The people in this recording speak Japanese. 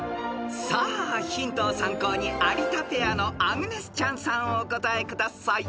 ［さあヒントを参考に有田ペアのアグネス・チャンさんお答えください］